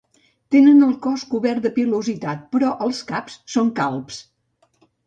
Tenen el cos cobert de pilositat però els caps són calbs.